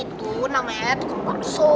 itu namanya tukang rambut